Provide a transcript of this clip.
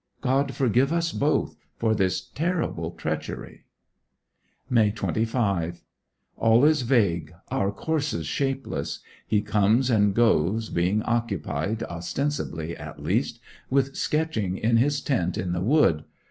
God forgive us both for this terrible treachery. May 25. All is vague; our courses shapeless. He comes and goes, being occupied, ostensibly at least, with sketching in his tent in the wood.